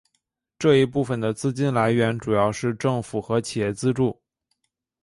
这一部分的资金来源主要是政府和企业资助。